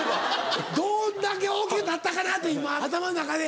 どんだけ大きくなったかなって今頭の中で。